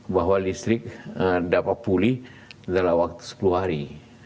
bahwa listrik dapat pulih dalam waktu sepuluh hari